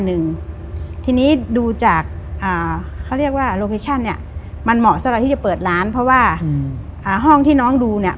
ห้องที่ตรงนี้แล้วค้อสาวที่ดูเหมือนห้องที่เดียว